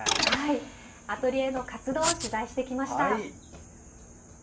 アトリエの活動を取材してきました。